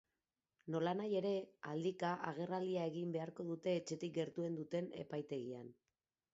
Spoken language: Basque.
Nolanahi ere, aldika agerraldia egin beharko dute etxetik gertuen duten epaitegian.